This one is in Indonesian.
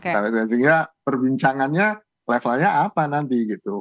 sehingga perbincangannya levelnya apa nanti gitu